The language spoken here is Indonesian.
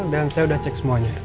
dan saya udah cek semuanya